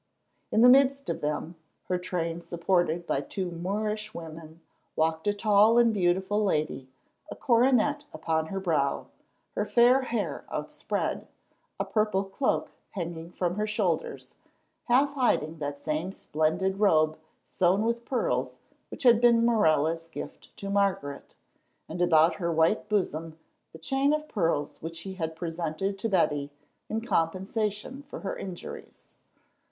In the midst of them, her train supported by two Moorish women, walked a tall and beautiful lady, a coronet upon her brow, her fair hair outspread, a purple cloak hanging from her shoulders, half hiding that same splendid robe sewn with pearls which had been Morella's gift to Margaret, and about her white bosom the chain of pearls which he had presented to Betty in compensation for her injuries.